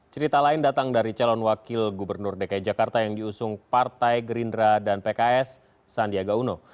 cerita lain datang dari calon wakil gubernur dki jakarta yang diusung partai gerindra dan pks sandiaga uno